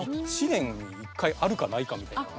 １年に１回あるかないかみたいな。